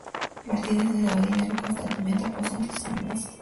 Martínez le daba dinero constantemente a Pozo ante sus amenazas.